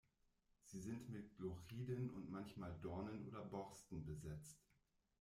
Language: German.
Sie sind mit Glochiden und manchmal Dornen oder Borsten besetzt.